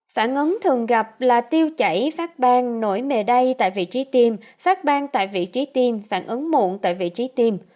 phản ứng thường gặp là tiêu chảy phát ban nổi mề đay tại vị trí tiêm phát ban tại vị trí tiêm phản ứng muộn tại vị trí tiêm